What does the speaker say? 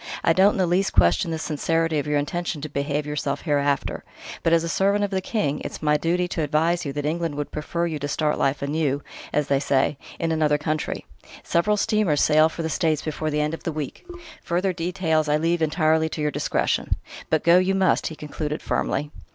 I don't in the least question the sincerity of your intention to behave yourself hereafter; but as a servant of the King, it's my duty to advise you that England would prefer you to start life anew as they say in another country. Several steamers sail for the States before the end of the week: further details I leave entirely to your discretion. But go you must," he concluded firmly.